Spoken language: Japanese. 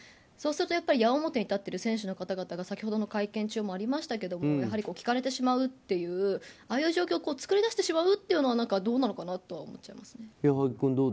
そうすると矢面に立っている選手の方々が先ほどの会見中もありましたけど聞かれてしまうという状況を作り出してしまうというのはどうなのかなと思っちゃいます。